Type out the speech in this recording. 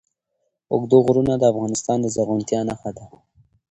اوږده غرونه د افغانستان د زرغونتیا نښه ده.